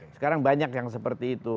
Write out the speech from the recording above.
itu kan sekarang banyak yang seperti itu